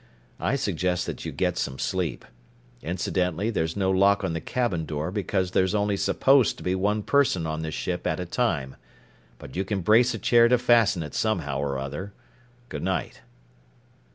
I suggest that you get some sleep. Incidentally, there's no lock on the cabin door because there's only supposed to be one person on this ship at a time. But you can brace a chair to fasten it somehow or other. Good night."